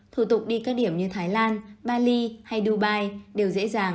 thủ tục đi các điểm như thái lan bali hay dubai đều dễ dàng